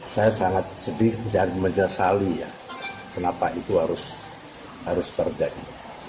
saya sangat sedih dan menyesali ya kenapa itu harus terjadi